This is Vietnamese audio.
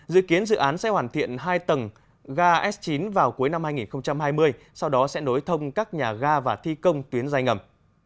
dự kiến dự án sẽ hoàn thiện hai tầng ga s chín vào cuối năm hai nghìn hai mươi sau đó sẽ nối thông các nhà ga và thi công tuyến dài ngầm